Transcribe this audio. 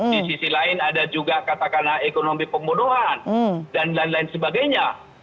di sisi lain ada juga katakanlah ekonomi pembunuhan dan lain lain sebagainya